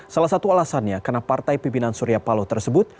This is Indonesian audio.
salah satu alasannya karena partai pimpinan surya paloh tersebut